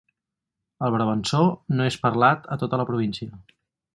El brabançó no és parlat a tota la província.